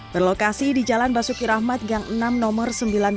berlokasi di jalan basuki rahmat gang enam nomor sembilan ratus delapan puluh delapan